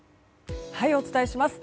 お伝えします。